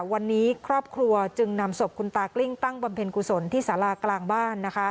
วันนี้ครอบครัวจึงนำศพคุณตากลิ้งตั้งบำเพ็ญกุศลที่สารากลางบ้าน